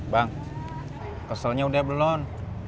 bang keselnya udah belum